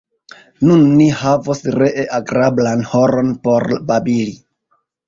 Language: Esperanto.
Nun ni havos ree agrablan horon por babili.